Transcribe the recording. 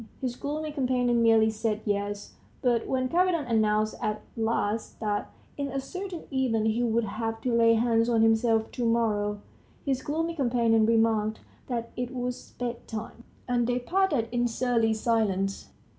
His gloomy companion merely said yes; but when Kapiton announced at last that, in a certain event, he would have to lay hands on himself to morrow, his gloomy companion remarked that it was bedtime. And they parted in surly silence.